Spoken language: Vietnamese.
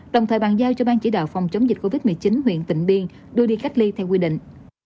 đồng thời bàn giao cho bang chỉ đạo phòng chống dịch covid một mươi chín huyện tỉnh biên đưa đi cách ly theo quy định